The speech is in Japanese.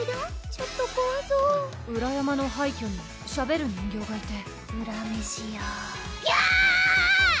ちょっとこわそう裏山の廃虚にしゃべる人形がいてうらめしやギャー！